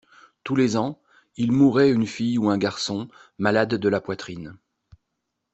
Tous les ans, il mourait une fille ou un garçon malade de la poitrine.